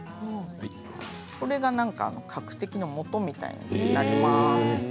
これがカクテキのもとみたいになります。